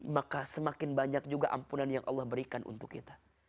maka semakin banyak juga ampunan yang allah berikan untuk kita